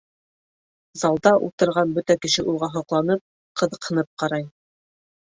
Залда ултырған бөтә кеше уға һоҡланып, ҡыҙыҡһынып ҡарай.